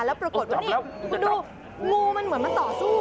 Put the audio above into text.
แล้วปรากฏวิ่งมุมันเหมือนต่อสู้